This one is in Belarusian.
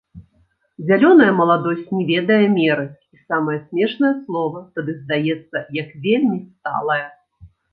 Зялёная маладосць не ведае меры, і самае смешнае слова тады здаецца як вельмі сталае.